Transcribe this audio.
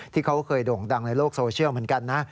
เขาก็เคยโด่งดังในโลกโซเชียลเหมือนกันนะ